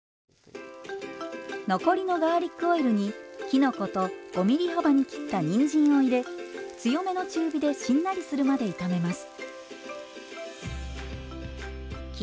残りのガーリックオイルにきのこと５ｍｍ幅に切ったにんじんを入れ強めの中火でしんなりするまで炒めます。